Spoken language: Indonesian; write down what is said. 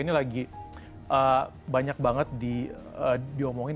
ini lagi banyak banget diomongin